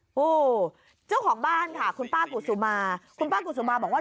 โอ้โหเจ้าของบ้านค่ะคุณป้ากุศุมาคุณป้ากุศุมาบอกว่า